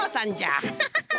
ハハハハ！